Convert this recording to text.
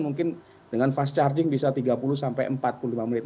mungkin dengan fast charging bisa tiga puluh sampai empat puluh lima menit